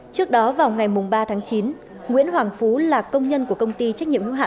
trước đó vào ngày ba tháng chín nguyễn hoàng phú là công nhân của công ty trách nhiệm hữu hạn